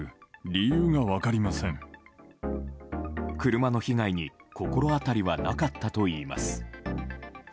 車の被害に心当たりはなかったといいます。